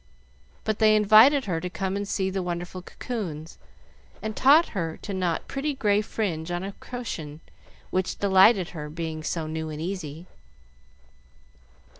But they invited her to come and see the wonderful cocoons, and taught her to knot pretty gray fringe on a cushion, which delighted her, being so new and easy.